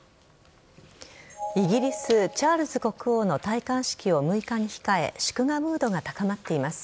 イギリスチャールズ国王の戴冠式を６日に控え祝賀ムードが高まっています。